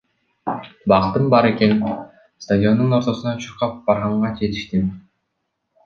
Бактым бар экен, стадиондун ортосуна чуркап барганга жетиштим.